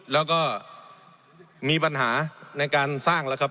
แล้วก็มีปัญหาในการสร้างแล้วครับ